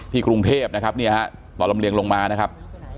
กรุงเทพนะครับเนี่ยฮะตอนลำเลียงลงมานะครับ